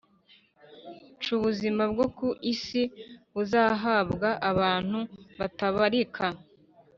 C Ubuzima bwo ku isi buzahabwa abantu batabarika